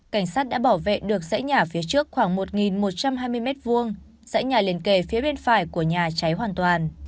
cảnh sát đã bảo vệ được dãy nhà phía trước khoảng một một trăm hai mươi m hai dãy nhà liền kề phía bên phải của nhà cháy hoàn toàn